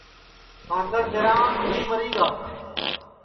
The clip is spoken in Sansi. ساگر دِرھاوام ڈُؔوٻی مری گا